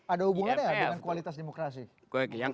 ada hubungannya gak dengan kualitas demokrasi